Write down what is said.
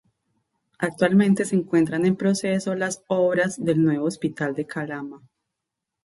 Actualmente se encuentran en proceso las obras del nuevo Hospital de Calama.